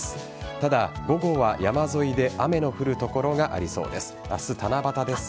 ただ、午後は山沿いで雨の降る所がありそうです。